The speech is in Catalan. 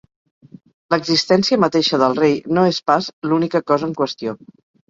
L'existència mateixa del rei no és pas l'única cosa en qüestió.